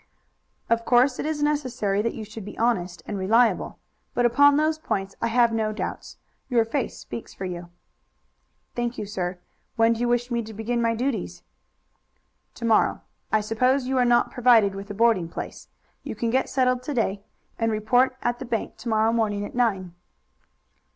"Of course it is necessary that you should be honest and reliable. But upon those points I have no doubts. Your face speaks for you." "Thank you, sir. When do you wish me to begin my duties?" "To morrow. I suppose you are not provided with a boarding place. You can get settled to day and report at the bank to morrow morning at nine."